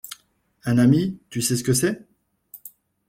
Un ami, tu sais ce que c’est?